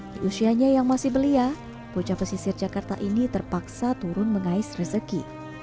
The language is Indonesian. di usianya yang masih belia bocah pesisir jakarta ini terpaksa turun mengais rezeki